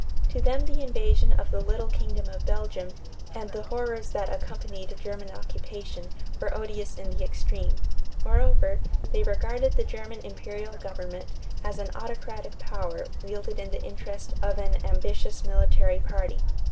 To them the invasion of the little kingdom of Belgium and the horrors that accompanied German occupation were odious in the extreme. Moreover, they regarded the German imperial government as an autocratic power wielded in the interest of an ambitious military party.